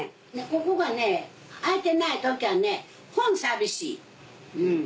ここが開いてない時はねほん寂しいうん。